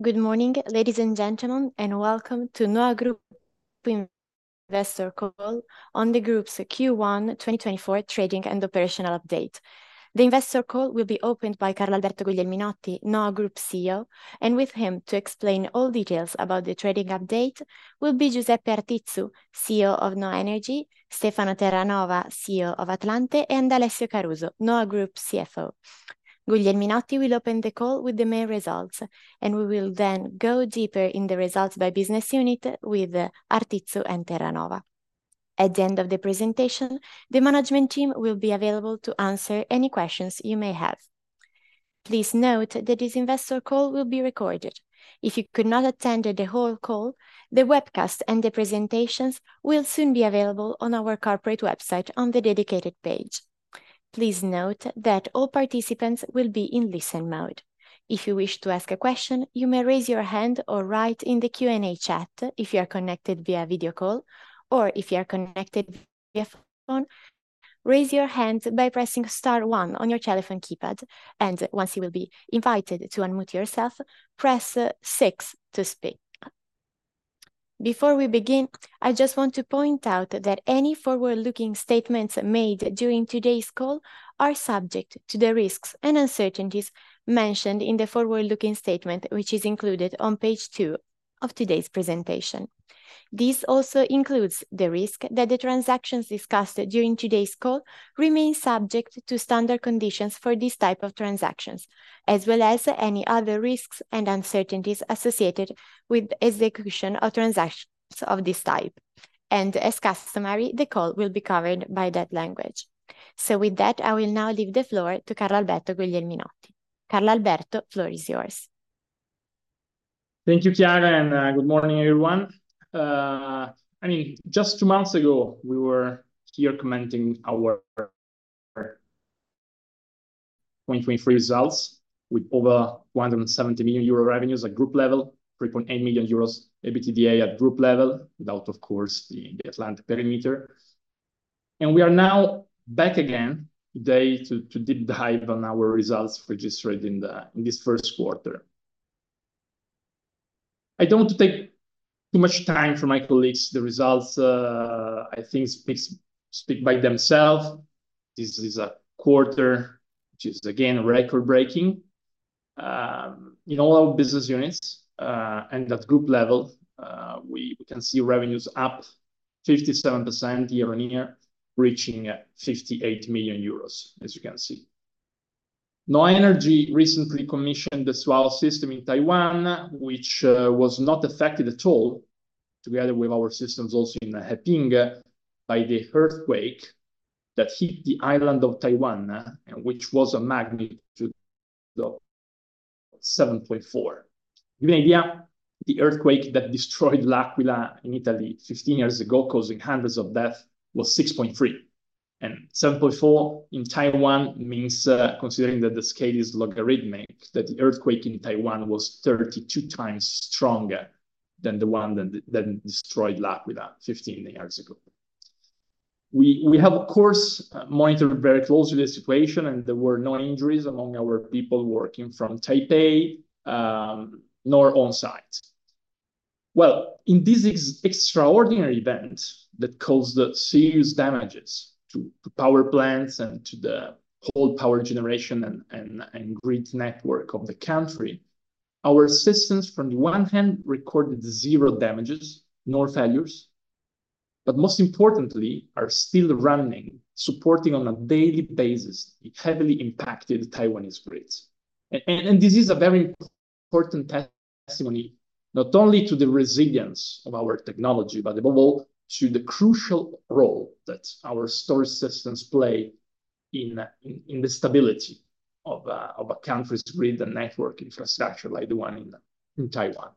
Good morning, ladies and gentlemen, and welcome to NHOA Group's Investor Call on the Group's Q1 2024 trading and operational update. The investor call will be opened by Carlalberto Guglielminotti, NHOA Group CEO, and with him to explain all details about the trading update will be Giuseppe Artizzu, CEO of NHOA Energy, Stefano Terranova, CEO of Atlante, and Alessio Caruso, NHOA Group CFO. Guglielminotti will open the call with the main results, and we will then go deeper in the results by business unit with Artizzu and Terranova. At the end of the presentation, the management team will be available to answer any questions you may have. Please note that this investor call will be recorded. If you could not attend the whole call, the webcast and the presentations will soon be available on our corporate website on the dedicated page. Please note that all participants will be in listen mode. If you wish to ask a question, you may raise your hand or write in the Q&A chat if you are connected via video call, or if you are connected via phone, raise your hand by pressing star one on your telephone keypad, and once you will be invited to unmute yourself, press six to speak. Before we begin, I just want to point out that any forward-looking statements made during today's call are subject to the risks and uncertainties mentioned in the forward-looking statement which is included on page two of today's presentation. This also includes the risk that the transactions discussed during today's call remain subject to standard conditions for this type of transactions, as well as any other risks and uncertainties associated with the execution of transactions of this type, and as customary, the call will be covered by that language. With that, I will now leave the floor to Carlalberto Guglielminotti. Carlalberto, the floor is yours. Thank you, Chiara, and good morning, everyone. I mean, just two months ago we were here commenting our 2023 results with over 170 million euro revenues at group level, 3.8 million euros EBITDA at group level, without, of course, the Atlante perimeter. We are now back again today to deep dive on our results registered in this first quarter. I don't want to take too much time from my colleagues. The results, I think speak by themselves. This is a quarter which is, again, record-breaking in all our business units, and at group level, we can see revenues up 57% year-over-year, reaching 58 million euros, as you can see. NHOA Energy recently commissioned the Suao system in Taiwan, which was not affected at all, together with our systems also in the Heping, by the earthquake that hit the island of Taiwan, which was a magnitude of 7.4. To give you an idea, the earthquake that destroyed L'Aquila in Italy 15 years ago, causing hundreds of deaths, was 6.3. And 7.4 in Taiwan means, considering that the scale is logarithmic, that the earthquake in Taiwan was 32 times stronger than the one that destroyed L'Aquila 15 years ago. We have, of course, monitored very closely the situation, and there were no injuries among our people working from Taipei, nor on site. Well, in this extraordinary event that caused serious damages to power plants and to the whole power generation and grid network of the country. Our systems, from the one hand, recorded 0 damages nor failures. But most importantly, are still running, supporting on a daily basis the heavily impacted Taiwanese grids. And this is a very important testimony, not only to the resilience of our technology, but above all to the crucial role that our storage systems play in the stability of a country's grid and network infrastructure like the one in Taiwan.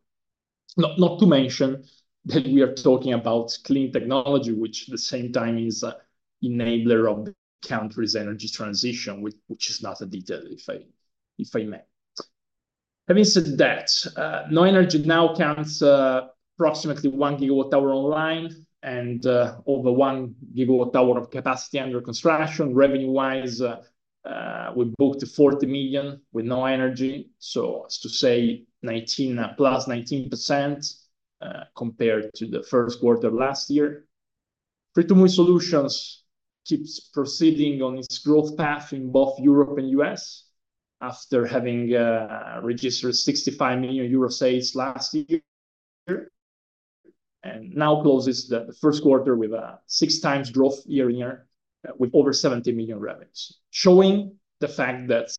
Not to mention that we are talking about clean technology, which at the same time is an enabler of the country's energy transition, which is not a detail if I may. Having said that, NHOA Energy now counts approximately 1GWh online and over 1 GWh of capacity under construction revenue-wise. We booked 40 million with NHOA Energy, so as to say 19 + 19% compared to the first quarter last year. Free2move eSolutions keeps proceeding on its growth path in both Europe and U.S. After having registered 65 million euro last year. Now closes the first quarter with a 6x growth year-on-year, with over 70 million revenues, showing the fact that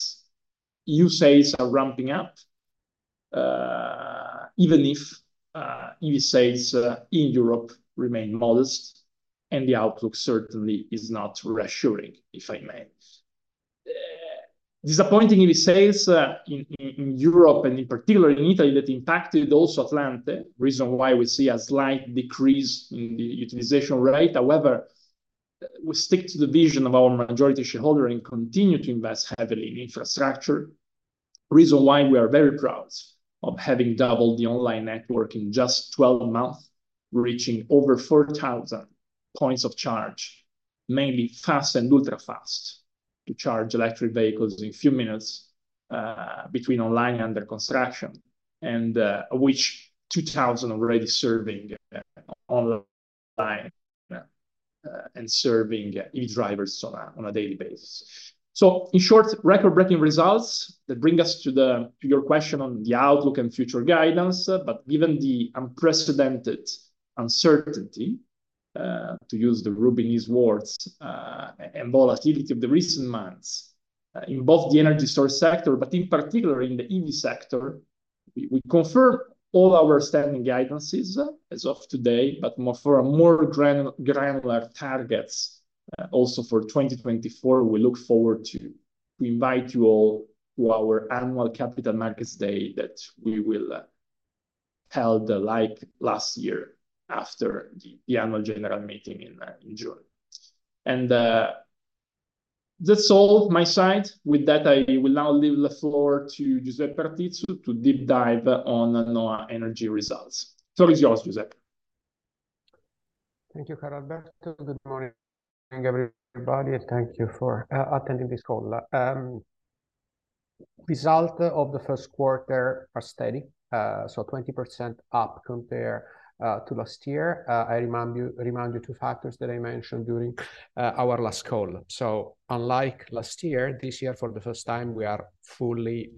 U.S. sales are ramping up. Even if U.S. sales in Europe remain modest. The outlook certainly is not reassuring, if I may. Disappointing U.S. sales in Europe, and in particular in Italy, that impacted also Atlante, reason why we see a slight decrease in the utilization rate. However. We stick to the vision of our majority shareholder and continue to invest heavily in infrastructure. Reason why we are very proud of having doubled the online network in just 12 months, reaching over 4,000 points of charge. Mainly fast and ultra fast. To charge electric vehicles in a few minutes. Between online and under construction, and which 2,000 already serving online and serving EV drivers on a daily basis. So in short, record-breaking results that bring us to your question on the outlook and future guidance. But given the unprecedented uncertainty to use the Roubini-esque words and volatility of the recent months in both the energy source sector, but in particular in the EV sector, we confirm all our standing guidances as of today, but more for more granular targets. Also for 2024, we look forward to invite you all to our annual Capital Markets Day that we will hold like last year after the annual general meeting in June. And that's all from my side. With that, I will now leave the floor to Giuseppe Artizzu to deep dive on NHOA Energy results. The floor is yours, Giuseppe. Thank you, Carlalberto. Good morning, everybody, and thank you for attending this call. Results of the first quarter are steady, so 20% up compared to last year. I remind you two factors that I mentioned during our last call. So unlike last year, this year, for the first time, we are fully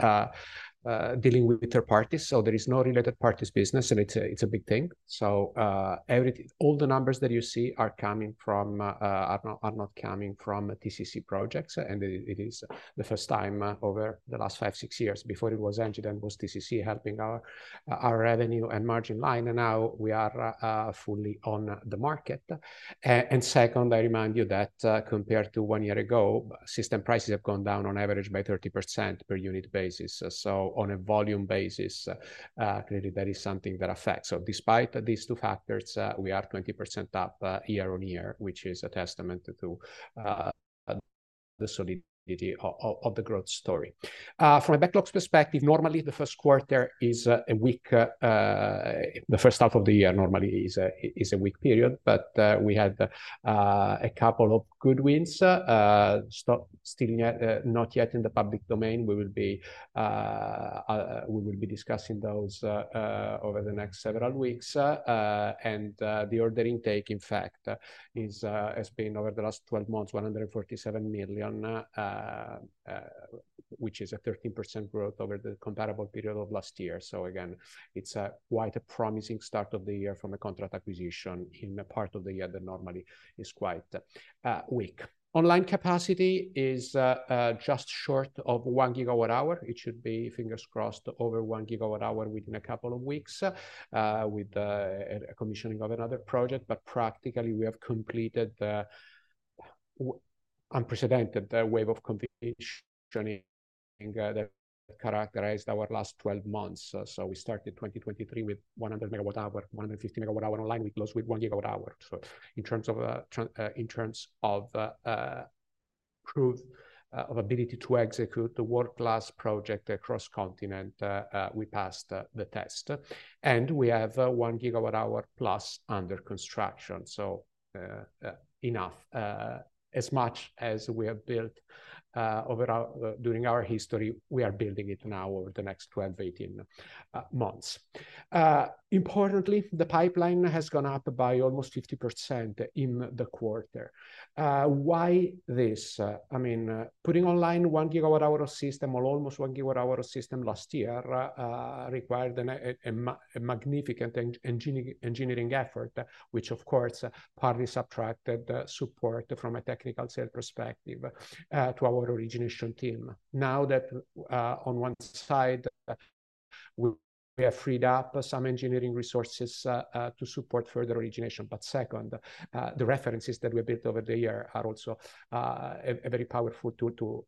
dealing with third parties. So there is no related parties business, and it's a big thing. So all the numbers that you see are not coming from TCC projects, and it is the first time over the last five, six years before it was Engie and TCC helping our revenue and margin line. And now we are fully on the market. And second, I remind you that compared to one year ago, system prices have gone down on average by 30% per unit basis. So on a volume basis, really, that is something that affects. So despite these two factors, we are 20% up year-on-year, which is a testament to the solidity of of the growth story. From a backlog perspective, normally the first quarter is weak. The first half of the year normally is a weak period, but we had a couple of good wins. Still not yet in the public domain. We will be. We will be discussing those over the next several weeks. And the order intake, in fact, has been over the last 12 months, 147 million. Which is a 13% growth over the comparable period of last year. So again, it's quite a promising start of the year from a contract acquisition in a part of the year that normally is quite weak. Online capacity is just short of 1GWh. It should be, fingers crossed, over 1GWh within a couple of weeks, with a commissioning of another project. But practically we have completed the unprecedented wave of commissioning that characterized our last 12 months. So we started 2023 with 100MWh, 150MWh online. We closed with 1GWh. So in terms of in terms of proof of ability to execute the world-class project across continent, we passed the test. And we have 1GWh+ under construction. So enough. As much as we have built over our during our history, we are building it now over the next 12-18 months. Importantly, the pipeline has gone up by almost 50% in the quarter. Why this? I mean, putting online 1GWh of system, or almost 1GWh of system last year, required a magnificent engineering effort, which, of course, partly subtracted support from a technical sale perspective to our origination team. Now that on one side we have freed up some engineering resources to support further origination. But second, the references that we built over the year are also a very powerful tool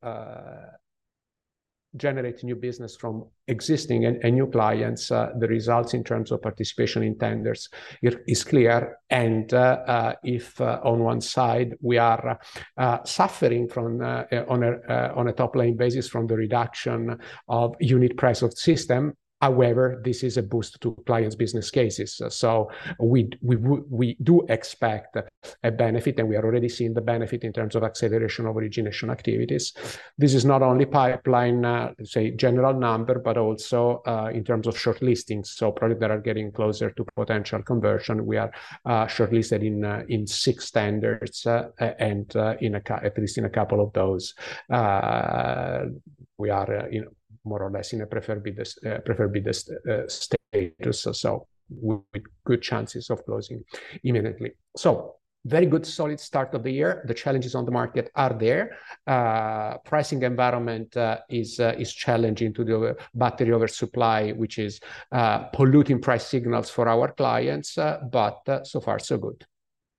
to generate new business from existing and new clients. The results in terms of participation in tenders is clear. And if on one side we are suffering from on a top-line basis from the reduction of unit price of system. However, this is a boost to clients' business cases. So we do expect a benefit, and we are already seeing the benefit in terms of acceleration of origination activities. This is not only pipeline, say, general number, but also in terms of shortlisting. So products that are getting closer to potential conversion. We are shortlisted in six tenders, and at least in a couple of those. We are in more or less in a preferred bidder status. So with good chances of closing imminently. So very good, solid start of the year. The challenges on the market are there. Pricing environment is challenging to the battery oversupply, which is polluting price signals for our clients. But so far, so good.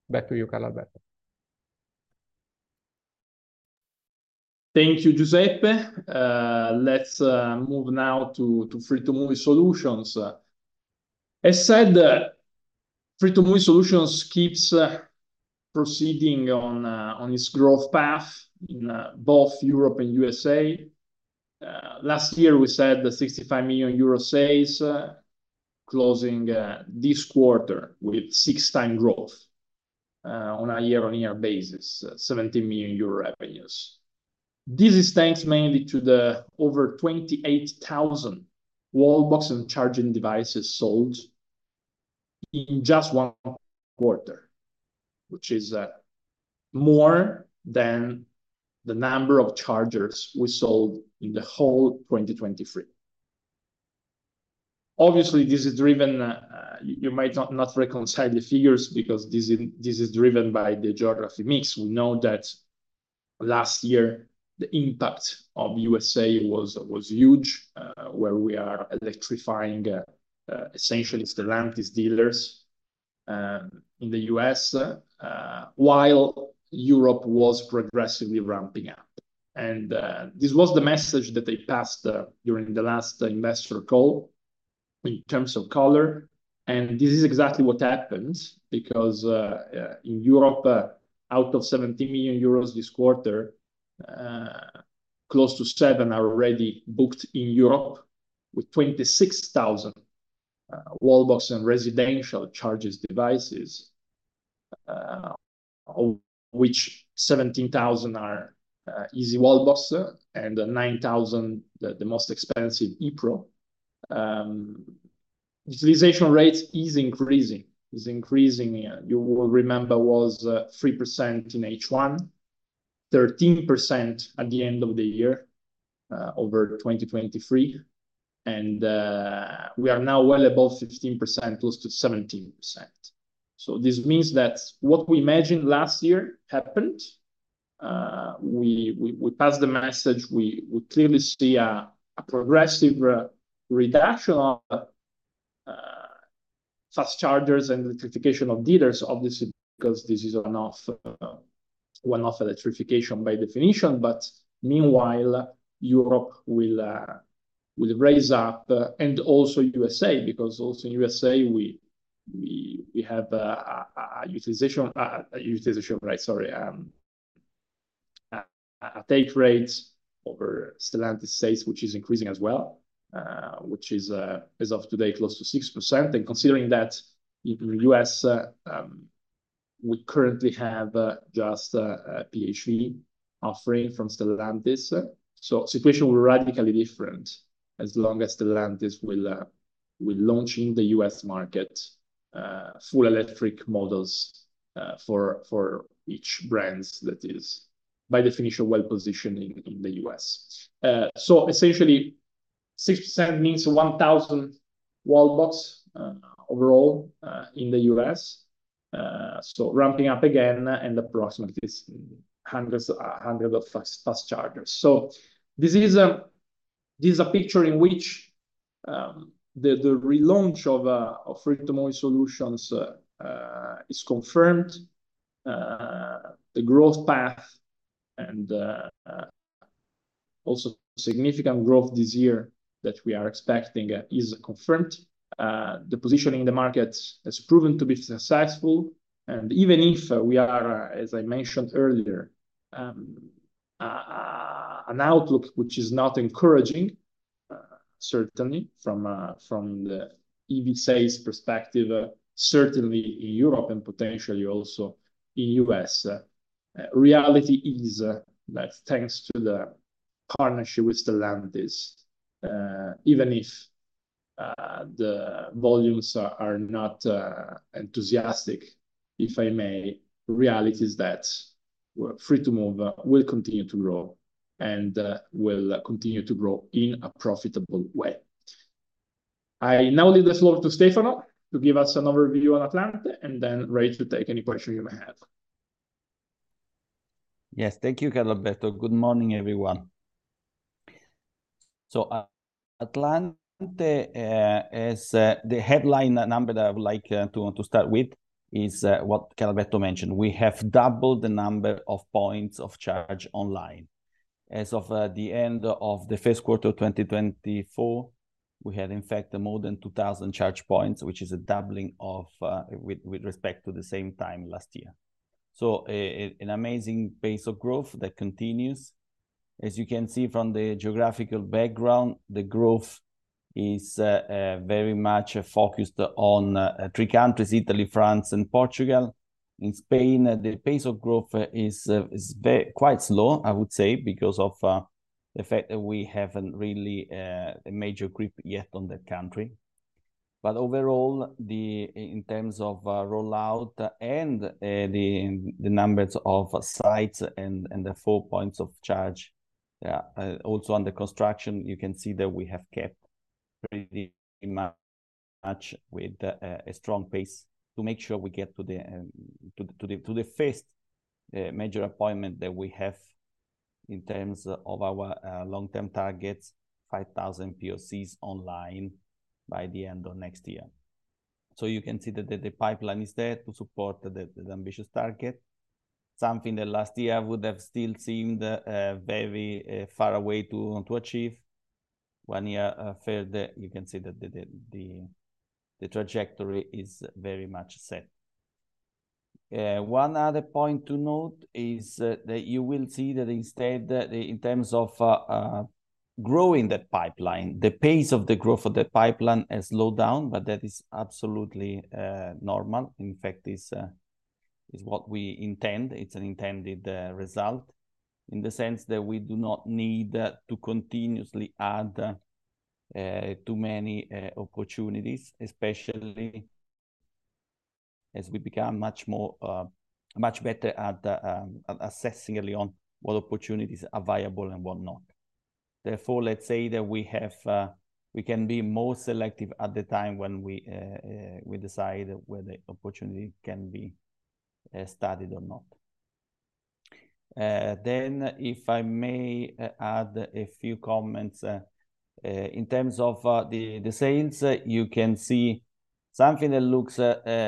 Back to you, Carlalberto. Thank you, Giuseppe. Let's move now to Free2move eSolutions. As said. Free2move eSolutions keeps proceeding on its growth path in both Europe and U.S. Last year we said the 65 million euro sales closing this quarter with 6x growth. On a year-on-year basis, 17 million euro revenues. This is thanks mainly to the over 28,000 wallbox and charging devices sold. In just one quarter. Which is more than the number of chargers we sold in the whole 2023. Obviously, this is driven. You might not reconcile the figures because this is driven by the geography mix. We know that last year the impact of U.S. was huge, where we are electrifying. Essentially, it's the Stellantis dealers. In the U.S., while Europe was progressively ramping up. And this was the message that they passed during the last investor call. In terms of color. This is exactly what happened because in Europe, out of 17 million euros this quarter, close to 7 million are already booked in Europe with 26,000 wallbox and residential charging devices, which 17,000 are easyWallbox and 9,000 the most expensive ePro. Utilization rates is increasing. You will remember was 3% in H1, 13% at the end of the year over 2023. And we are now well above 15%, close to 17%. So this means that what we imagined last year happened. We passed the message. We clearly see a progressive reduction of fast chargers and electrification of dealers. Obviously, because this is one-off electrification by definition. But meanwhile, Europe will raise up. And also USA, because also in USA we have a utilization right? Sorry. A take rates over Stellantis sales, which is increasing as well. Which is, as of today, close to 6%. And considering that in the U.S., we currently have just a PHEV offering from Stellantis. So situation will be radically different as long as Stellantis will launch in the US market full electric models for each brands that is by definition well positioned in the US. So essentially, 6% means 1,000 wallbox overall in the U.S.. So ramping up again and approximately hundreds of fast chargers. So this is a picture in which the relaunch of Free2move Solutions is confirmed. The growth path. And also significant growth this year that we are expecting is confirmed. The positioning in the market has proven to be successful. And even if we are, as I mentioned earlier, an outlook which is not encouraging. Certainly from the EV sales perspective, certainly in Europe and potentially also in U.S. Reality is that thanks to the partnership with Stellantis. Even if the volumes are not enthusiastic. If I may, reality is that. Free2move will continue to grow. And will continue to grow in a profitable way. I now leave the floor to Stefano to give us an overview on Atlante, and then ready to take any question you may have. Yes, thank you, Carlalberto. Good morning, everyone. So Atlante is the headline number that I would like to start with is what Carlalberto mentioned. We have doubled the number of points of charge online as of the end of the first quarter of 2024. We had, in fact, more than 2,000 charge points, which is a doubling of with respect to the same time last year. So an amazing pace of growth that continues. As you can see from the geographical background, the growth is very much focused on three countries: Italy, France, and Portugal. In Spain, the pace of growth is quite slow, I would say, because of the fact that we haven't really a major grip yet on that country. But overall, the in terms of rollout and the numbers of sites and the four points of charge. Yeah, also under construction, you can see that we have kept pretty much with a strong pace to make sure we get to the first major appointment that we have. In terms of our long-term targets, 5,000 POCs online by the end of next year. So you can see that the pipeline is there to support the ambitious target. Something that last year would have still seemed very far away to achieve. One year further, you can see that the trajectory is very much set. One other point to note is that you will see that, instead, in terms of growing that pipeline, the pace of the growth of that pipeline has slowed down, but that is absolutely normal. In fact, this is what we intend. It's an intended result. In the sense that we do not need to continuously add too many opportunities, especially as we become much more much better at assessing early on what opportunities are viable and whatnot. Therefore, let's say that we have we can be more selective at the time when we we decide where the opportunity can be started or not. Then, if I may add a few comments. In terms of the the sales, you can see something that looks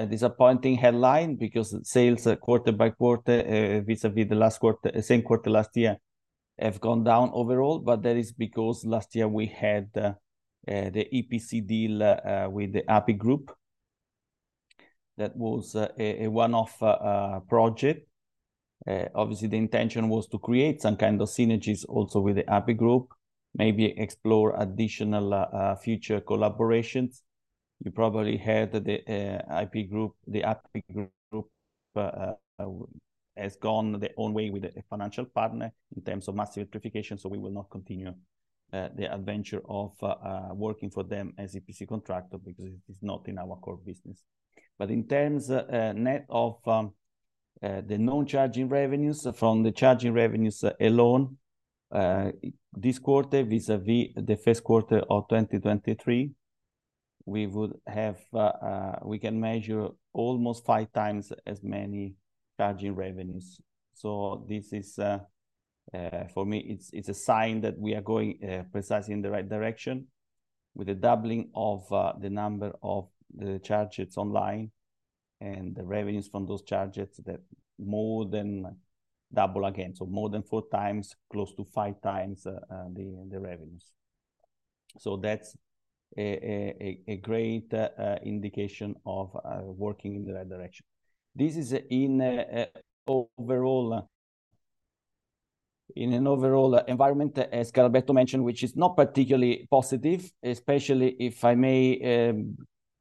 disappointing headline because sales quarter by quarter vis-à-vis the last quarter, same quarter last year have gone down overall, but that is because last year we had the EPC deal with the API Group. That was a one-off project. Obviously, the intention was to create some kind of synergies also with the API Group. Maybe explore additional future collaborations. You probably heard that the API Group has gone their own way with a financial partner in terms of massive electrification. So we will not continue the adventure of working for them as EPC contractor because it is not in our core business. But in terms net of the non-charging revenues from the charging revenues alone. This quarter vis-à-vis the first quarter of 2023. We would have we can measure almost five times as many charging revenues. So this is for me, it's it's a sign that we are going precisely in the right direction. With the doubling of the number of the charges online. And the revenues from those charges that more than double again, so more than 4x, close to 5x the revenues. So that's a great indication of working in the right direction. This is in overall. In an overall environment, as Carlalberto mentioned, which is not particularly positive, especially if I may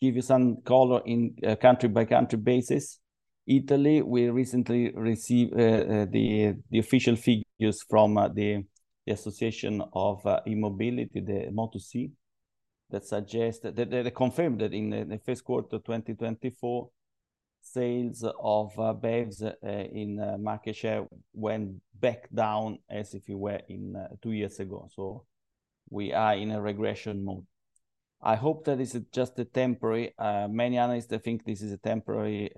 give you some color on a country-by-country basis. Italy, we recently received the official figures from the Association of E-Mobility the Motus-E. That suggests that they confirmed that in the first quarter of 2024. Sales of BEVs in market share went back down as if you were in two years ago. We are in a regression mode. I hope that is just a temporary. Many analysts think this is a temporary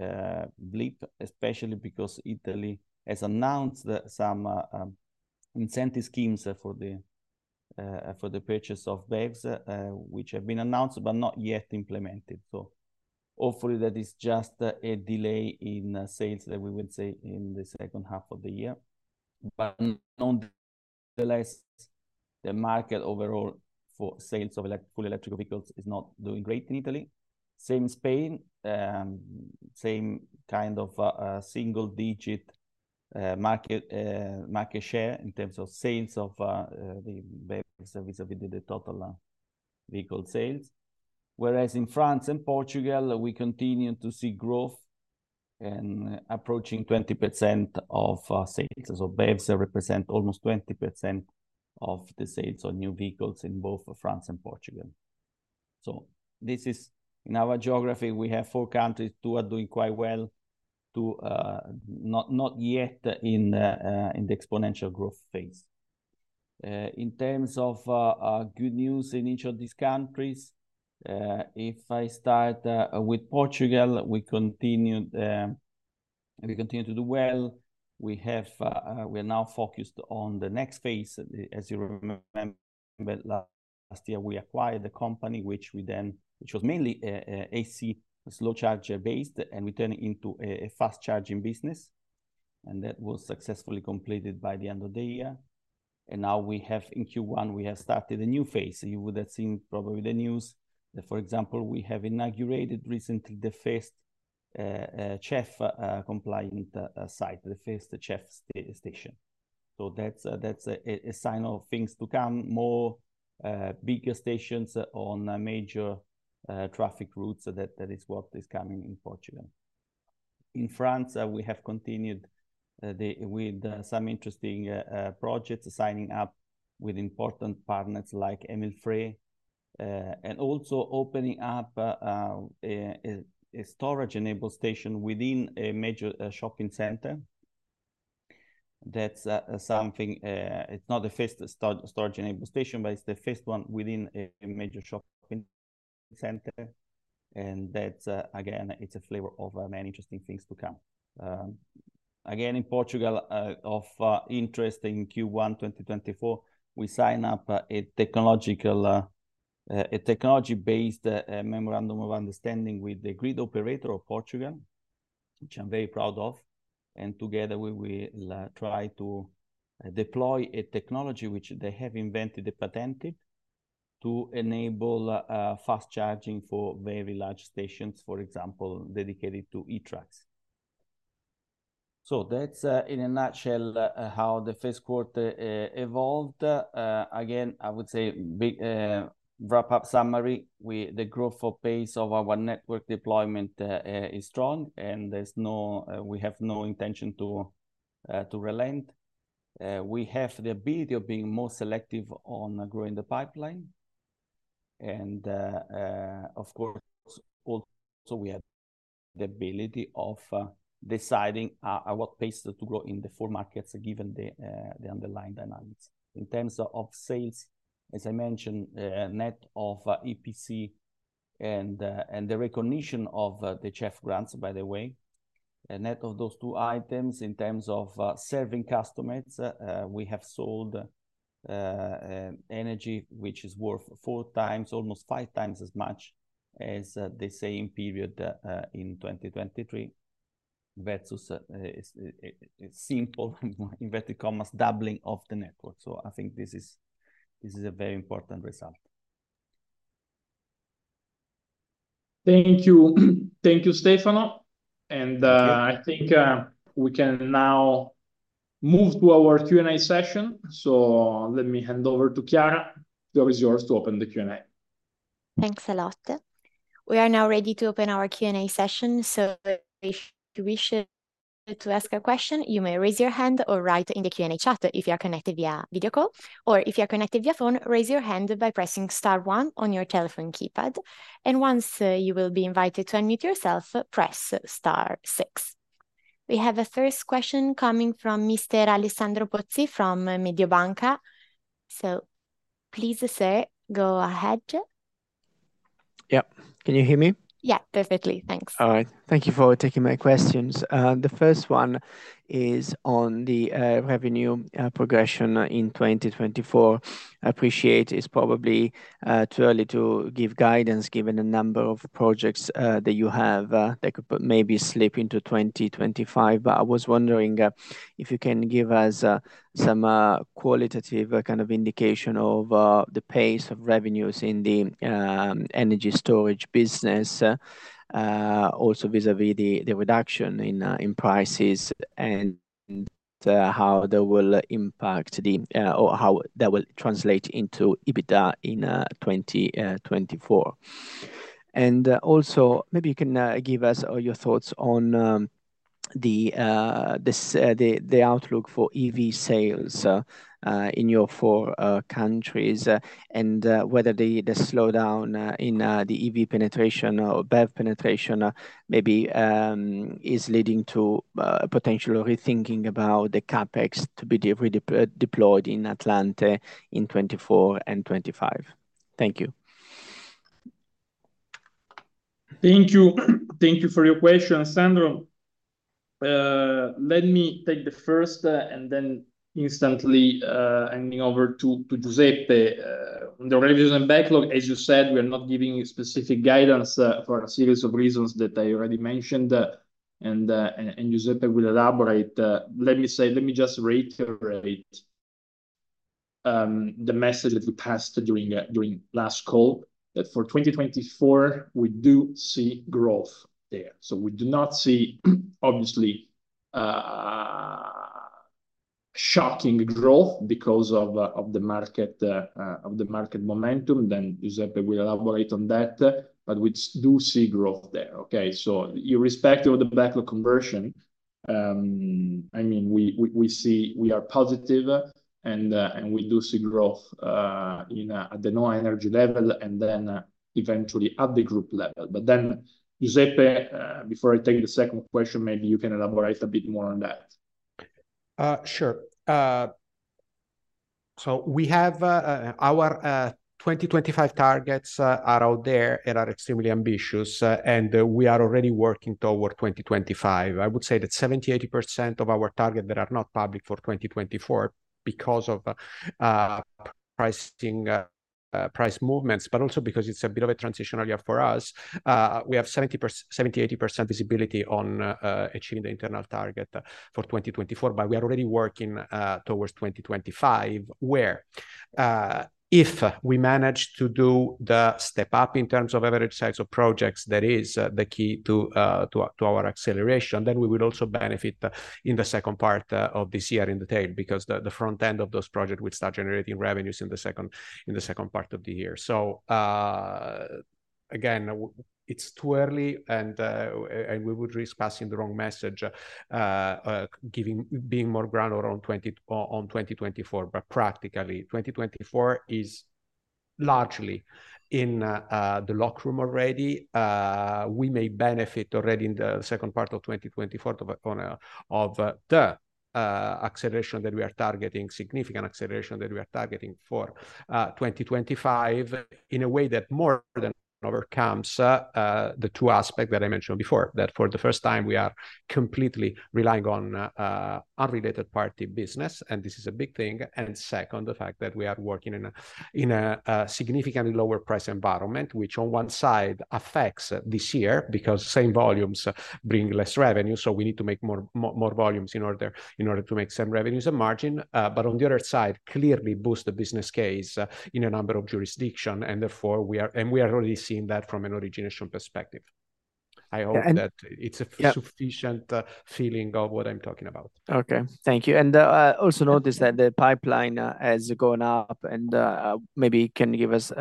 blip, especially because Italy has announced some incentive schemes for the purchase of BEVs, which have been announced but not yet implemented. Hopefully that is just a delay in sales that we would say in the second half of the year. Nonetheless. The market overall for sales of full electric vehicles is not doing great in Italy. Same in Spain. Same kind of single-digit market share in terms of sales of the BEVs vis-à-vis the total vehicle sales. Whereas in France and Portugal, we continue to see growth. Approaching 20% of sales. So BEVs represent almost 20% of the sales of new vehicles in both France and Portugal. So this is in our geography. We have four countries. Two are doing quite well. Two not yet in the exponential growth phase. In terms of good news in each of these countries. If I start with Portugal, we continue to do well. We are now focused on the next phase. As you remember, last year we acquired the company which was mainly AC slow charger based and turning into a fast charging business. And that was successfully completed by the end of the year. And now we have in Q1 we have started a new phase. You would have seen probably the news that, for example, we have inaugurated recently the first CEF compliant site, the first CEF station. So that's a sign of things to come. More bigger stations on major traffic routes that is what is coming in Portugal. In France, we have continued with some interesting projects, signing up with important partners like Emil Frey. And also opening up a storage enabled station within a major shopping center. That's something. It's not the first storage enabled station, but it's the first one within a major shopping center. And that's again, it's a flavor of many interesting things to come. Again in Portugal of interest in Q1 2024. We sign up a technological a technology based memorandum of understanding with the grid operator of Portugal. Which I'm very proud of. Together we will try to deploy a technology which they have invented, the patented, to enable fast charging for very large stations, for example, dedicated to E-Trucks. So that's in a nutshell how the first quarter evolved. Again, I would say big wrap up summary with the growth of pace of our network deployment is strong and we have no intention to relent. We have the ability of being more selective on growing the pipeline. And of course, also we have the ability of deciding at what pace to grow in the four markets given the underlying dynamics in terms of sales. As I mentioned, net of EPC and the recognition of the CEF grants, by the way. Net of those two items in terms of serving customers. We have sold energy which is worth 4 times, almost 5 times as much as the same period in 2023. Versus simple inverted commas, doubling of the network. So I think this is this is a very important result. Thank you. Thank you, Stefano. I think we can now move to our Q&A session. Let me hand over to Chiara. The resource to open the Q&A. Thanks a lot. We are now ready to open our Q&A session. So if you wish to ask a question, you may raise your hand or write in the Q&A chat if you are connected via video call, or if you are connected via phone, raise your hand by pressing star one on your telephone keypad. And once you will be invited to unmute yourself, press star six. We have a first question coming from Mr. Alessandro Pozzi from Mediobanca. So please, sir, go ahead. Yeah. Can you hear me? Yeah, perfectly. Thanks. All right. Thank you for taking my questions. The first one is on the revenue progression in 2024. I appreciate it's probably too early to give guidance given the number of projects that you have that could maybe slip into 2025. But I was wondering if you can give us some qualitative kind of indication of the pace of revenues in the energy storage business. Also vis-à-vis the reduction in prices and how that will impact or how that will translate into EBITDA in 2024. And also maybe you can give us your thoughts on the outlook for EV sales in your four countries and whether the slowdown in the EV penetration or BEV penetration maybe is leading to potential rethinking about the CapEx to be deployed in Atlante in 2024 and 2025. Thank you. Thank you. Thank you for your question, Sandro. Let me take the first and then handing over to Giuseppe. On the revision and backlog, as you said, we are not giving you specific guidance for a series of reasons that I already mentioned. And Giuseppe will elaborate. Let me say, let me just reiterate the message that we passed during last call that for 2024 we do see growth there. So we do not see obviously shocking growth because of the market momentum. Then Giuseppe will elaborate on that. But we do see growth there. Okay, so irrespective of the backlog conversion. I mean, we see we are positive and we do see growth in NHOA Energy and then eventually at the group level. But then Giuseppe, before I take the second question, maybe you can elaborate a bit more on that. Sure. So we have our 2025 targets are out there and are extremely ambitious and we are already working toward 2025. I would say that 70%-80% of our target that are not public for 2024 because of pricing price movements, but also because it's a bit of a transition area for us. We have 70%-80% visibility on achieving the internal target for 2024, but we are already working towards 2025 where if we manage to do the step up in terms of average size of projects, that is the key to our acceleration, then we will also benefit in the second part of this year in the tail because the front end of those projects will start generating revenues in the second part of the year. So again, it's too early and we would risk passing the wrong message. Given, being more grounded around on 2024, but practically 2024 is largely in the locker room already. We may benefit already in the second part of 2024 from the acceleration that we are targeting, significant acceleration that we are targeting for 2025 in a way that more than overcomes the two aspects that I mentioned before, that for the first time we are completely relying on unrelated party business and this is a big thing. Second, the fact that we are working in a significantly lower price environment which on one side affects this year because same volumes bring less revenue. So we need to make more volumes in order to make some revenues and margin. But on the other side, clearly boosts the business case in a number of jurisdictions. And therefore we are and we are already seeing that from an origination perspective. I hope that it's a sufficient feeling of what I'm talking about. Okay, thank you. And also notice that the pipeline has gone up and maybe can you give us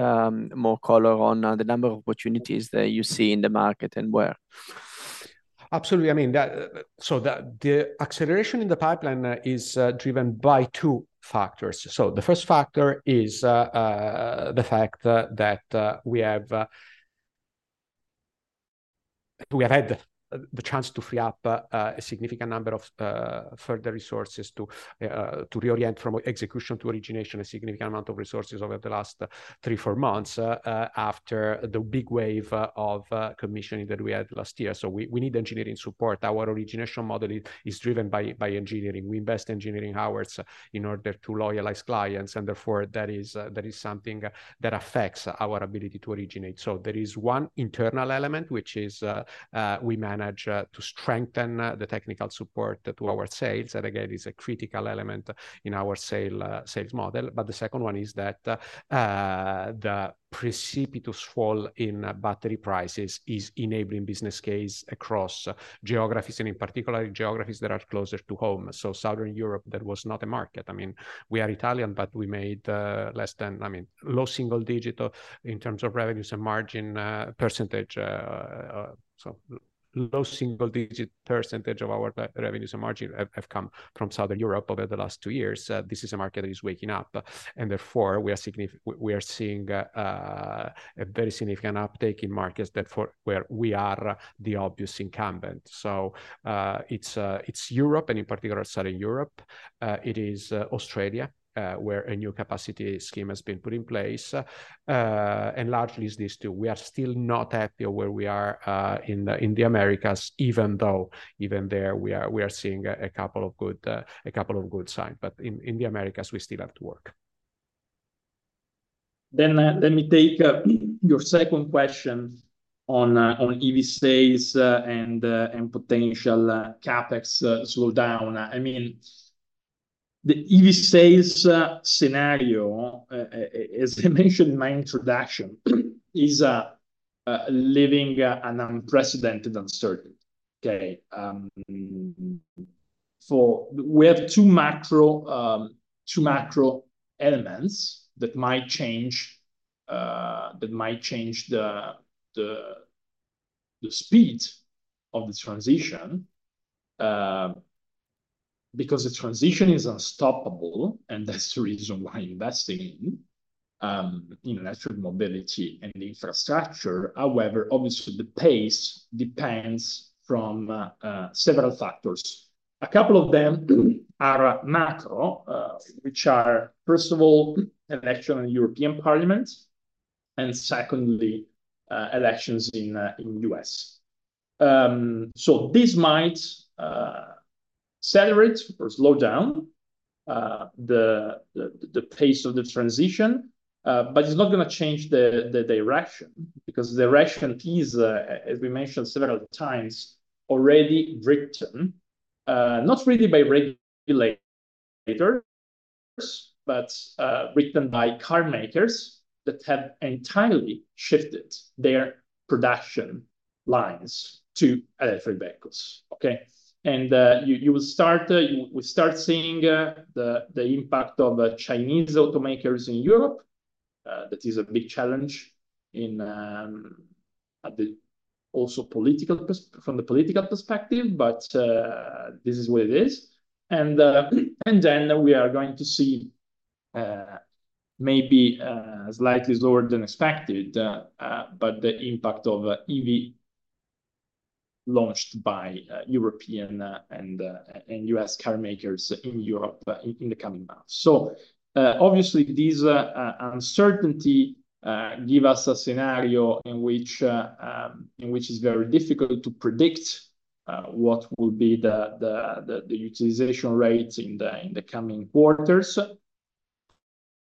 more color on the number of opportunities that you see in the market and where? Absolutely. I mean, so that the acceleration in the pipeline is driven by two factors. So the first factor is the fact that we have we have had the chance to free up a significant number of further resources to to reorient from execution to origination, a significant amount of resources over the last thee-four months after the big wave of commissioning that we had last year. So we we need engineering support. Our origination model is driven by by engineering. We invest engineering hours in order to loyalize clients. And therefore that is something that affects our ability to originate. So there is one internal element which is we manage to strengthen the technical support to our sales. And again, it's a critical element in our sales model. But the second one is that the precipitous fall in battery prices is enabling business case across geographies and in particular geographies that are closer to home. So Southern Europe, that was not a market. I mean, we are Italian, but we made less than I mean, low single digit in terms of revenues and margin percentage. So low single digit percentage of our revenues and margin have come from Southern Europe over the last two years. This is a market that is waking up. And therefore we are seeing a very significant uptake in markets that for where we are the obvious incumbent. So it's Europe and in particular Southern Europe. It is Australia where a new capacity scheme has been put in place. And largely it's these two. We are still not happy of where we are in the Americas, even though even there we are seeing a couple of good signs. But in the Americas we still have to work. Then let me take your second question on EV sales and potential CapEx slowdown. I mean, the EV sales scenario, as I mentioned in my introduction, is living an unprecedented uncertainty. Okay. For we have two macro elements that might change the speed of the transition. Because the transition is unstoppable and that's the reason why investing in electric mobility and the infrastructure. However, obviously the pace depends from several factors. A couple of them are macro, which are first of all election in European Parliament. And secondly, elections in U.S. So this might accelerate or slow down the pace of the transition, but it's not gonna change the direction because the direction is, as we mentioned several times, already written. Not really by regulators. But written by car makers that have entirely shifted their production lines to electric vehicles. Okay? And you will start seeing the impact of Chinese automakers in Europe. That is a big challenge and also political from the political perspective. But this is what it is. And then we are going to see maybe slightly slower than expected, but the impact of EV launched by European and U.S. car makers in Europe in the coming months. So obviously these uncertainty give us a scenario in which is very difficult to predict what will be the utilization rates in the coming quarters.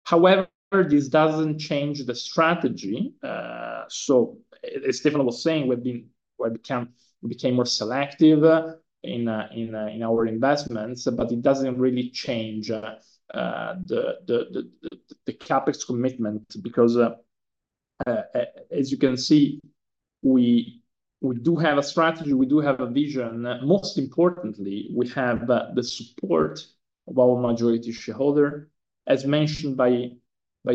However, this doesn't change the strategy. So as Stefano was saying, we've become more selective in our investments, but it doesn't really change the CapEx commitment because as you can see, we do have a strategy. We do have a vision. Most importantly, we have the support of our majority shareholder. As mentioned by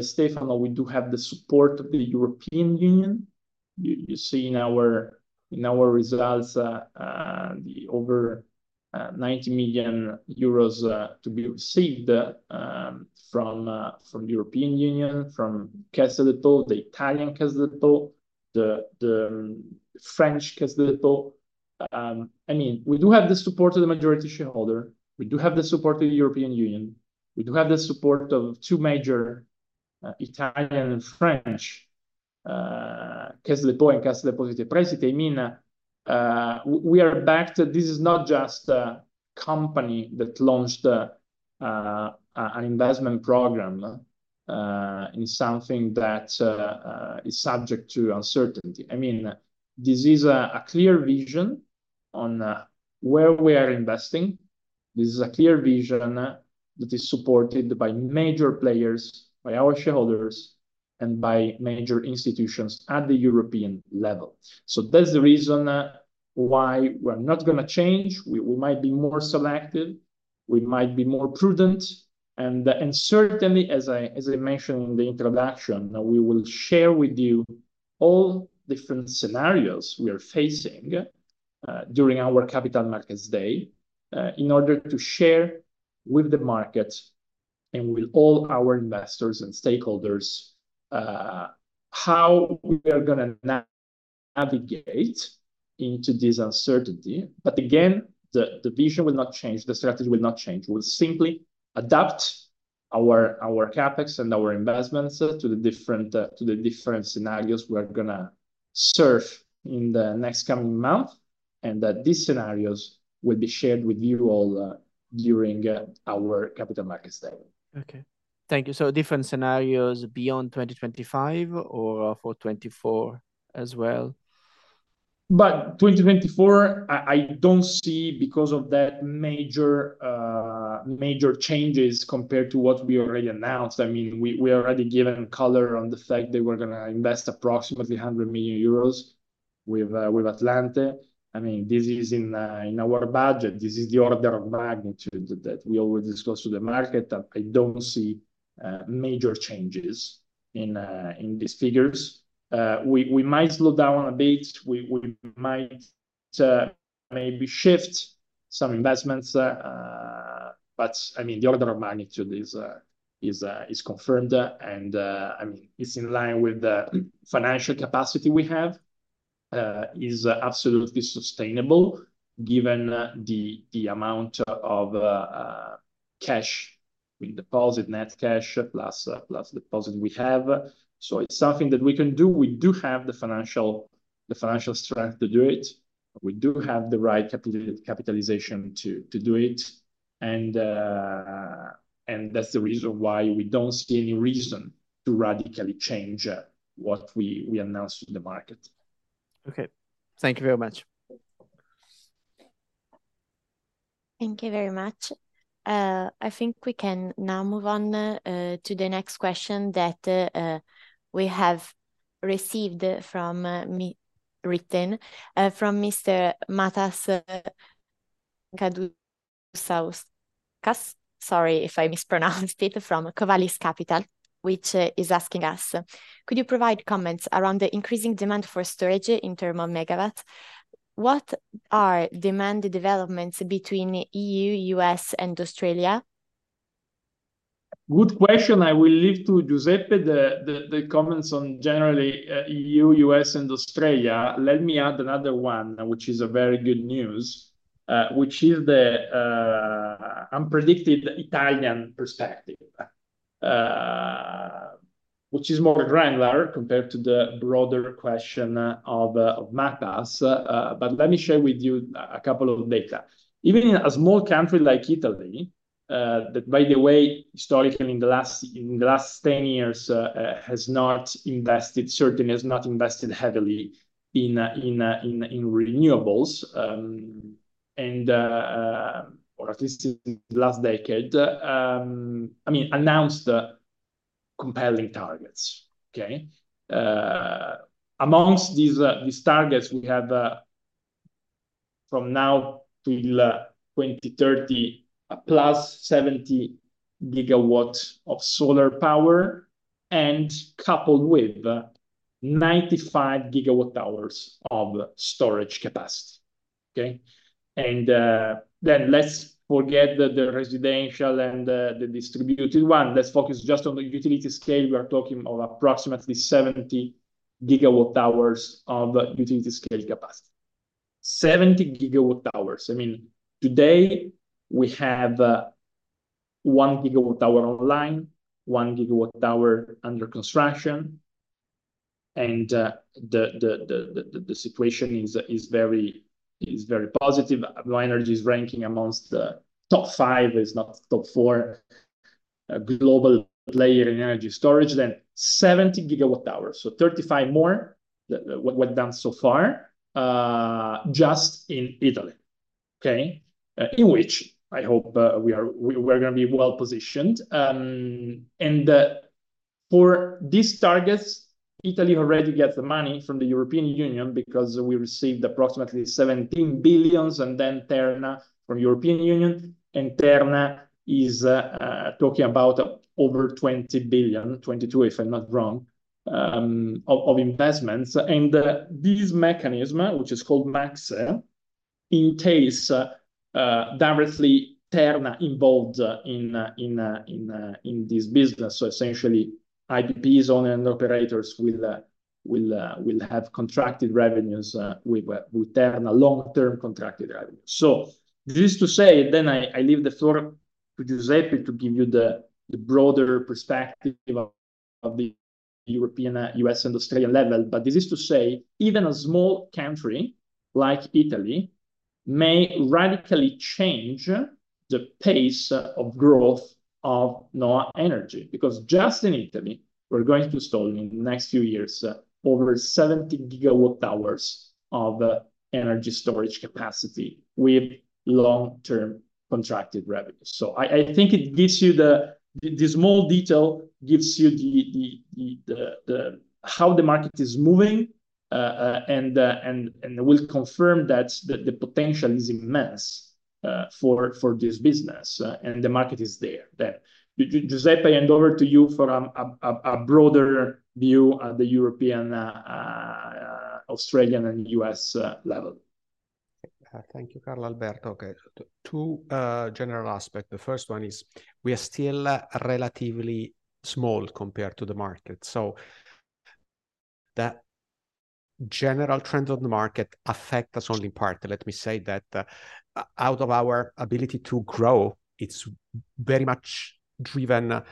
Stefano, we do have the support of the European Union. You see in our results the over 90 million euros to be received from the European Union, from Casaletto, the Italian Casaletto, the French Casaletto. I mean, we do have the support of the majority shareholder. We do have the support of the European Union. We do have the support of two major Italian and French Caisse des Dépôts and Cassa Depositi e Prestiti. I mean, we are backed. This is not just a company that launched an investment program in something that is subject to uncertainty. I mean, this is a clear vision on where we are investing. This is a clear vision that is supported by major players, by our shareholders, and by major institutions at the European level. So that's the reason why we're not gonna change. We might be more selective. We might be more prudent. And certainly, as I mentioned in the introduction, we will share with you all different scenarios we are facing during our Capital Markets Day in order to share with the market. And with all our investors and stakeholders. How we are gonna navigate into this uncertainty. But again, the vision will not change. The strategy will not change. We'll simply adapt our CapEx and our investments to the different scenarios we are gonna surf in the next coming month. And that these scenarios will be shared with you all during our Capital Markets Day. Okay, thank you. So different scenarios beyond 2025 or for 2024 as well. But 2024, I don't see because of that major changes compared to what we already announced. I mean, we are already given color on the fact that we're gonna invest approximately 100 million euros with Atlante. I mean, this is in our budget. This is the order of magnitude that we always discuss to the market. I don't see major changes in these figures. We might slow down a bit. We might maybe shift some investments. But I mean, the order of magnitude is confirmed. And I mean, it's in line with the financial capacity we have. It is absolutely sustainable, given the amount of cash being deposited, net cash, plus deposit we have. So it's something that we can do. We do have the financial strength to do it. We do have the right capitalization to do it. That's the reason why we don't see any reason to radically change what we announce to the market. Okay, thank you very much. Thank you very much. I think we can now move on to the next question that we have received, written from Mr. Matas Kudarauskas. Sorry if I mispronounced it from Covalis Capital, which is asking us, could you provide comments around the increasing demand for storage in terms of megawatts? What are demand developments between the E.U., U.S., and Australia? Good question. I will leave to Giuseppe the comments on generally E.U., U.S., and Australia. Let me add another one, which is a very good news, which is the unpredicted Italian perspective. Which is more granular compared to the broader question of Matas. But let me share with you a couple of data. Even in a small country like Italy, that, by the way, historically, in the last 10 years has not invested certainly has not invested heavily in renewables. Or at least in the last decade, I mean, announced compelling targets. Okay. Amongst these targets we have from now till 2030, a +70GW of solar power, and coupled with 95GWh of storage capacity. Okay. And then let's forget the residential and the distributed one. Let's focus just on the utility scale. We are talking of approximately 70GWh of utility scale capacity. 70GWh. I mean, today we have 1GWh online, 1GWh under construction. And the situation is very positive. NHOA Energy is ranking amongst the top five, not top four global player in energy storage, then 70GWh. So 35 more than what done so far just in Italy. Okay. In which I hope we are we're gonna be well positioned. And for these targets, Italy already gets the money from the European Union because we received approximately 17 billion, and then Terna from European Union, and Terna is talking about over 20 billion, 22 billion, if I'm not wrong, of investments. And this mechanism, which is called MACSE. In case directly Terna involved in this business. So essentially IPPs owners and operators will have contracted revenues with Terna long term contracted revenue. So this is to say, then I leave the floor to Giuseppe to give you the broader perspective of the European, U.S. and Australian level. But this is to say, even a small country like Italy may radically change the pace of growth of NHOA Energy, because just in Italy we're going to install in the next few years over 70GWh of energy storage capacity with long term contracted revenue. So I think it gives you the small detail gives you the how the market is moving. And it will confirm that the potential is immense for this business, and the market is there. Then Giuseppe, I hand over to you for a broader view at the European, Australian, and U.S. level. Thank you, Carlalberto. Okay, two general aspects. The first one is we are still relatively small compared to the market. So that general trends of the market affect us only in part. Let me say that out of our ability to grow, it's very much driven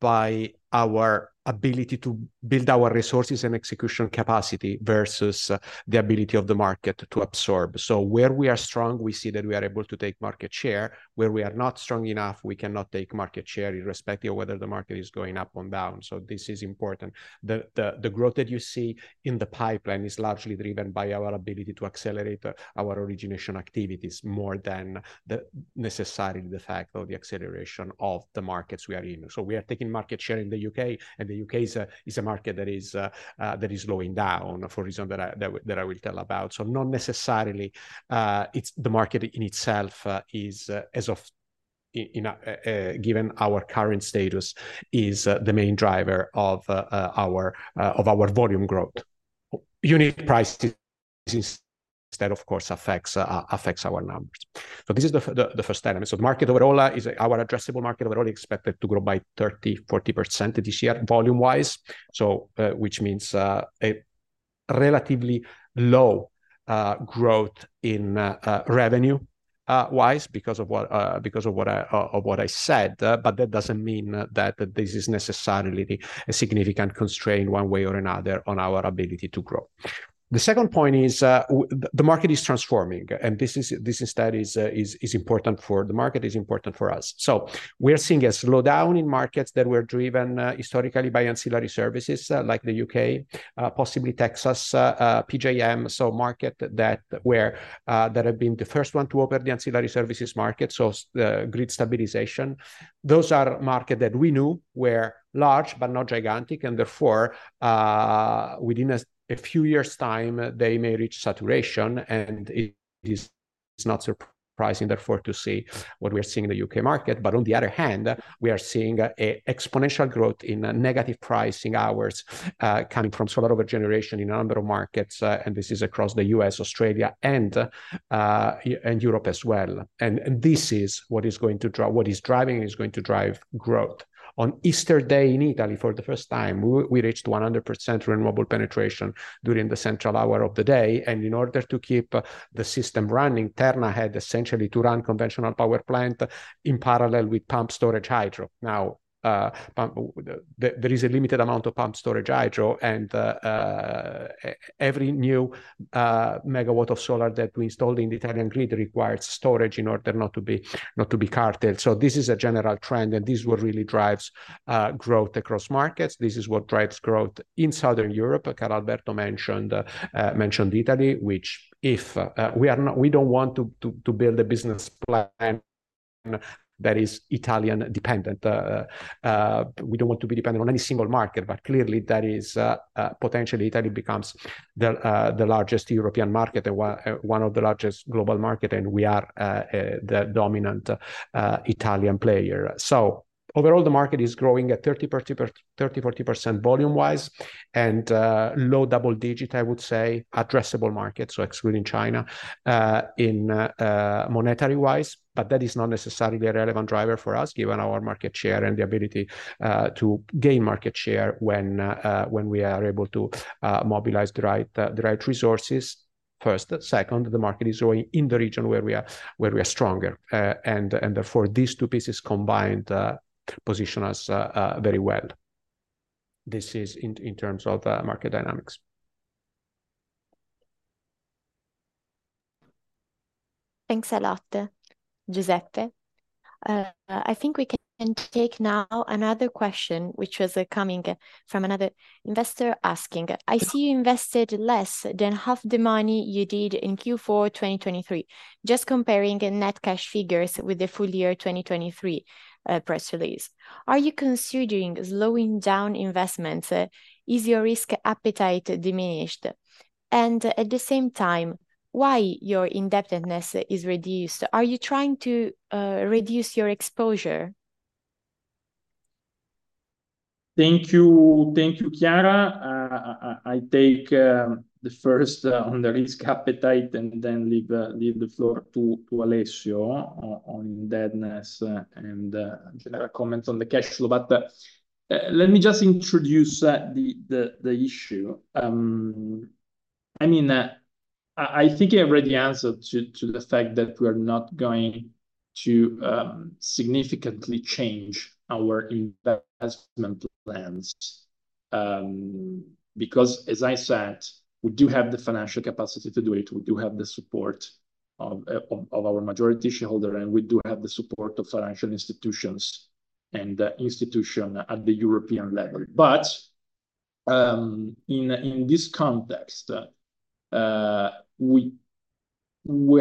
by our ability to build our resources and execution capacity versus the ability of the market to absorb. So where we are strong, we see that we are able to take market share. Where we are not strong enough, we cannot take market share, irrespective of whether the market is going up or down. So this is important. The growth that you see in the pipeline is largely driven by our ability to accelerate our origination activities more than necessarily the fact of the acceleration of the markets we are in. So we are taking market share in the U.K., and the U.K. is a market that is slowing down for reason that I will tell about. So not necessarily it's the market in itself is as of in given our current status is the main driver of our volume growth. Unit prices. Instead, of course, affects our numbers. So this is the first element. So the market overall is our addressable market overall expected to grow by 30%-40% this year volume-wise. So which means a relatively low growth in revenue-wise because of what I said. But that doesn't mean that this is necessarily a significant constraint one way or another on our ability to grow. The second point is the market is transforming, and this is important for the market, is important for us. So we are seeing a slowdown in markets that were driven historically by ancillary services like the U.K., possibly Texas, PJM. So markets that have been the first ones to open the ancillary services market. So the grid stabilization. Those are markets that we knew were large, but not gigantic, and therefore within a few years time they may reach saturation. And it is not surprising, therefore, to see what we are seeing in the U.K. market. But on the other hand, we are seeing an exponential growth in negative pricing hours coming from solar over generation in a number of markets. And this is across the U.S., Australia, and Europe as well. This is what is going to drive growth. On Easter Day in Italy for the first time, we reached 100% renewable penetration during the central hour of the day. In order to keep the system running, Terna had essentially to run conventional power plant in parallel with pumped storage hydro. Now there is a limited amount of pumped storage hydro, and every new megawatt of solar that we installed in the Italian grid requires storage in order not to be curtailed. So this is a general trend, and this will really drive growth across markets. This is what drives growth in Southern Europe. Carlalberto mentioned Italy, which we don't want to build a business plan that is Italian dependent. We don't want to be dependent on any single market. But clearly that is potentially Italy becomes the largest European market and one of the largest global markets. And we are the dominant Italian player. So overall the market is growing at 30%-40% volume-wise, and low double-digit, I would say. Addressable market. So excluding China in monetary-wise. But that is not necessarily a relevant driver for us, given our market share and the ability to gain market share when we are able to mobilize the right resources. First, second, the market is growing in the region where we are stronger. And therefore these two pieces combined position us very well. This is in terms of market dynamics. Thanks a lot, Giuseppe. I think we can take now another question, which was coming from another investor asking, I see you invested less than half the money you did in Q4 2023, just comparing net cash figures with the full year 2023 press release. Are you considering slowing down investments? Is your risk appetite diminished? And at the same time, why your indebtedness is reduced? Are you trying to reduce your exposure? Thank you. Thank you, Chiara. I take the first on the risk appetite, and then leave the floor to Alessio on indebtedness and general comments on the cash flow. But let me just introduce the issue. I mean, I think I already answered to the fact that we are not going to significantly change our investment plans. Because, as I said, we do have the financial capacity to do it. We do have the support of our majority shareholder, and we do have the support of financial institutions and institution at the European level. But in this context, we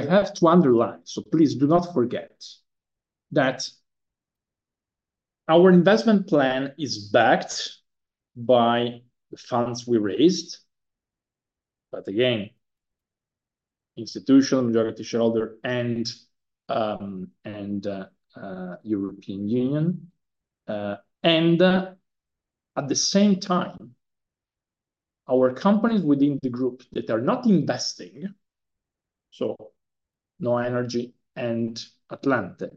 have to underline. So please do not forget that our investment plan is backed by the funds we raised. But again, institutional majority shareholder and European Union. At the same time, our companies within the group that are not investing. So NHOA Energy and Atlante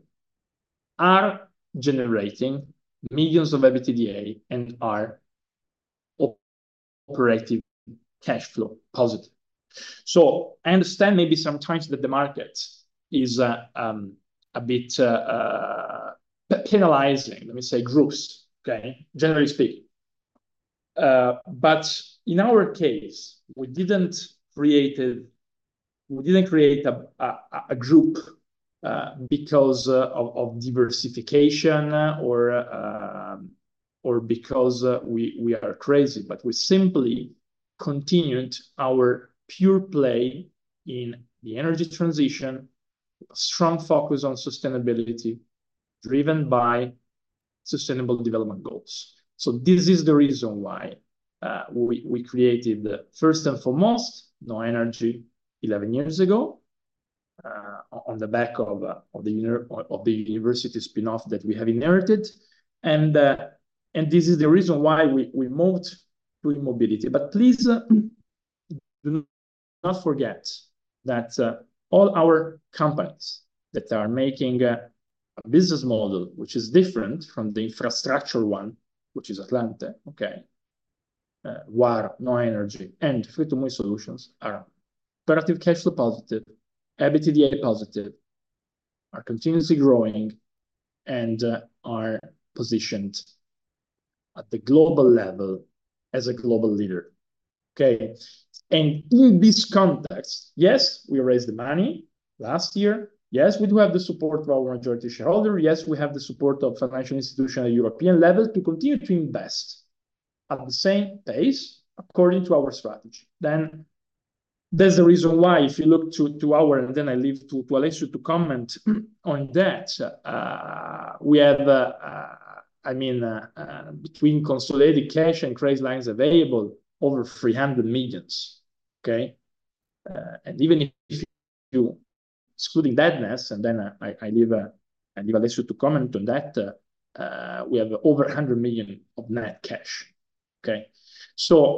are generating millions of EBITDA and are operating cash flow positive. So I understand maybe sometimes that the market is a bit penalizing, let me say, groups. Okay, generally speaking. But in our case, we didn't create it. We didn't create a group because of diversification, or because we are crazy, but we simply continued our pure play in the energy transition. A strong focus on sustainability driven by sustainable development goals. So this is the reason why we created the first and foremost NHOA Energy 11 years ago. On the back of the university spinoff that we have inherited. And this is the reason why we moved to e-mobility. But please do not forget that all our companies that are making a business model, which is different from the infrastructure one, which is Atlante. Okay. Where NHOA Energy and Free2move eSolutions are operative cash flow positive, EBITDA positive. Are continuously growing. And are positioned at the global level as a global leader. Okay. And in this context, yes, we raised the money last year. Yes, we do have the support of our majority shareholder. Yes, we have the support of financial institution at the European level to continue to invest. At the same pace, according to our strategy. Then there's a reason why, if you look to our, and then I leave to Alessio to comment on that. We have, I mean, between consolidated cash and credit lines available over 300 million. Okay. Even if you're excluding debt, and then I leave Alessio to comment on that. We have over 100 million of net cash. Okay. So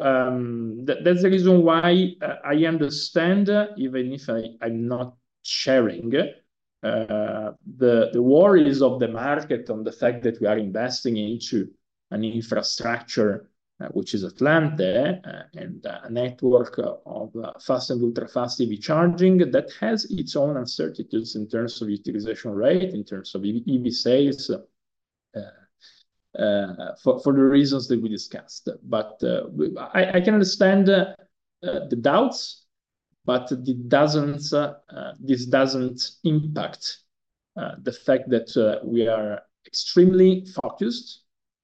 that's the reason why I understand, even if I'm not sharing the worries of the market on the fact that we are investing into an infrastructure which is Atlante and a network of fast and ultra fast EV charging that has its own uncertainties in terms of utilization rate, in terms of EV sales. For the reasons that we discussed. But I can understand the doubts. But it doesn't. This doesn't impact the fact that we are extremely focused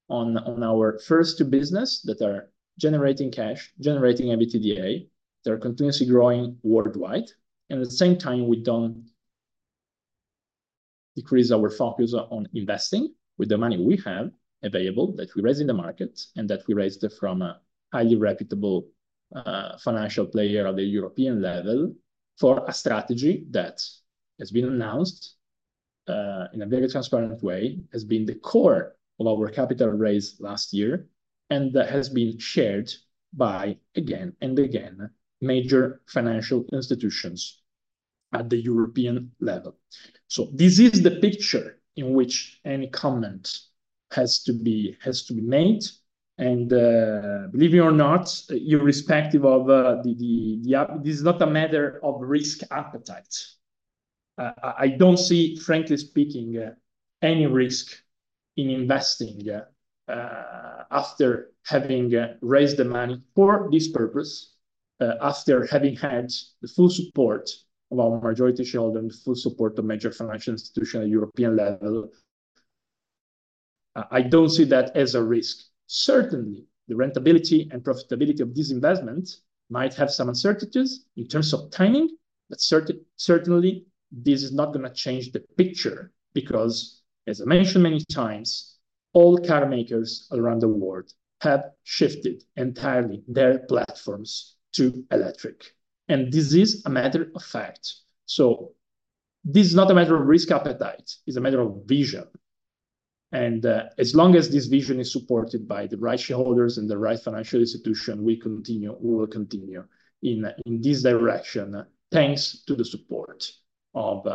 on our first two business that are generating cash, generating EBITDA that are continuously growing worldwide. And at the same time, we don't decrease our focus on investing with the money we have available that we raise in the market, and that we raised from a highly reputable financial player at the European level for a strategy that has been announced in a very transparent way, has been the core of our capital raise last year, and has been shared by, again and again, major financial institutions at the European level. So this is the picture in which any comment has to be made. And believe it or not, irrespective of the up. This is not a matter of risk appetite. I don't see, frankly speaking, any risk in investing after having raised the money for this purpose, after having had the full support of our majority shareholder and the full support of major financial institutions at the European level. I don't see that as a risk. Certainly, the rentability and profitability of this investment might have some uncertainties in terms of timing. But certainly, this is not gonna change the picture, because, as I mentioned many times, all car makers around the world have shifted entirely their platforms to electric. And this is a matter of fact. So this is not a matter of risk appetite. It's a matter of vision. And as long as this vision is supported by the right shareholders and the right financial institution, we continue. We will continue in in this direction. Thanks to the support of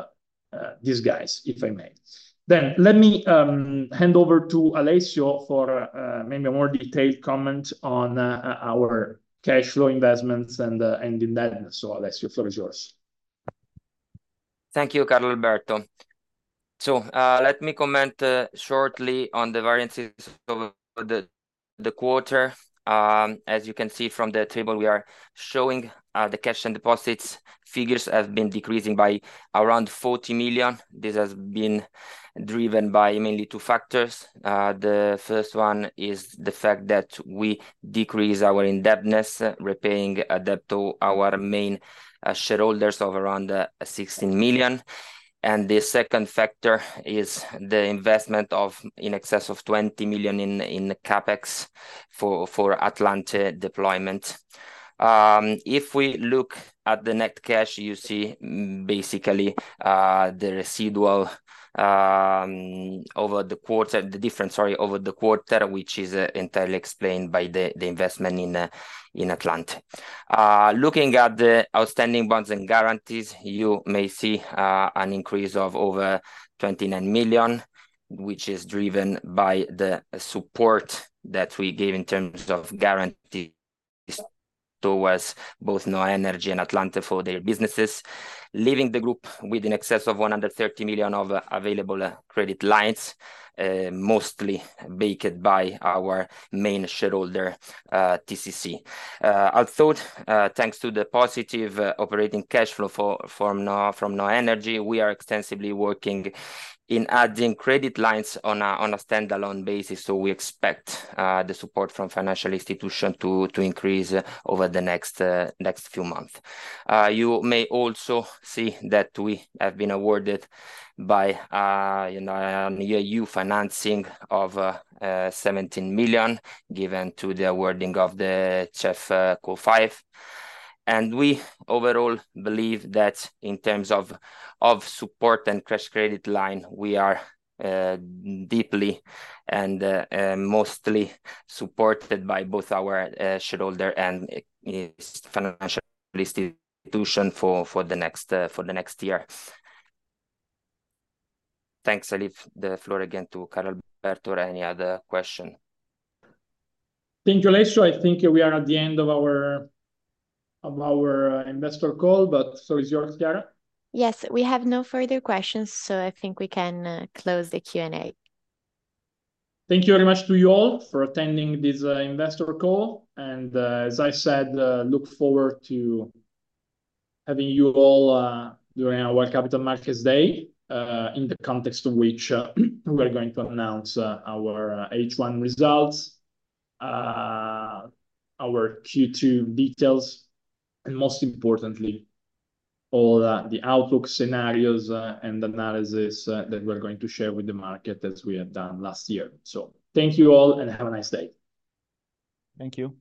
these guys, if I may. Then let me hand over to Alessio for maybe a more detailed comment on our cash flow investments and and indebtedness. So Alessio, floor is yours. Thank you, Carlalberto. So let me comment shortly on the variances of the quarter. As you can see from the table, we are showing the cash and deposits figures have been decreasing by around 40 million. This has been driven by mainly two factors. The first one is the fact that we decrease our indebtedness, repaying debt to our main shareholders of around 16 million. And the second factor is the investment of in excess of 20 million in CapEx for Atlante deployment. If we look at the net cash, you see basically the residual over the quarter, the difference, sorry, over the quarter, which is entirely explained by the investment in Atlante. Looking at the outstanding bonds and guarantees, you may see an increase of over 29 million, which is driven by the support that we gave in terms of guarantees. Towards both NHOA Energy and Atlante for their businesses. Leaving the group with in excess of 130 million of available credit lines. Mostly backed by our main shareholder, TCC. Although, thanks to the positive operating cash flow from NHOA Energy, we are extensively working on adding credit lines on a standalone basis. So we expect the support from financial institutions to increase over the next few months. You may also see that we have been awarded by, you know, an E.U. financing of 17 million, given to the awarding of the CEF grants. And we overall believe that in terms of support and cash credit lines, we are deeply and mostly supported by both our shareholder and its financial institutions for the next year. Thanks. I leave the floor again to Carlalberto or any other question. Thank you, Alessio. I think we are at the end of our investor call. But so is yours, Chiara? Yes, we have no further questions. So I think we can close the Q&A. Thank you very much to you all for attending this investor call. As I said, look forward to having you all during our World Capital Markets Day in the context of which we are going to announce our H1 results. Our Q2 details. Most importantly, all the outlook scenarios and analysis that we're going to share with the market as we have done last year. So thank you all, and have a nice day. Thank you.